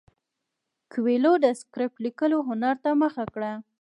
کویلیو د سکرېپټ لیکلو هنر ته مخه کړه.